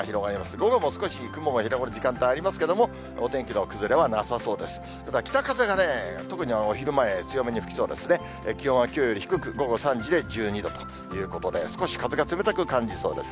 午後も少し雲が広がる時間帯ありますけども、お天気の崩れはなさそうです。